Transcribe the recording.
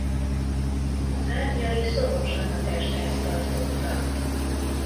Szárnyai szorosan a testhez tartottak.